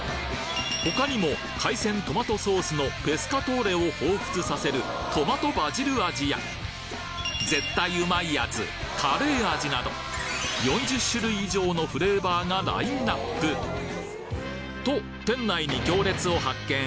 他にも海鮮トマトソースのペスカトーレを彷彿させるトマト＆バジル味や絶対うまいやつカレー味など４０種類以上のフレーバーがラインナップと店内に行列を発見！